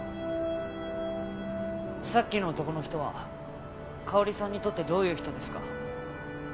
さっきの男の人は香さんにとってどういう人ですか？